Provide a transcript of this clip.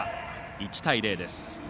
１対０です。